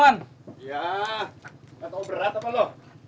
iya nggak tau berat apa lho